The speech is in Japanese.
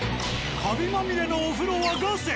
カビまみれのお風呂はガセ。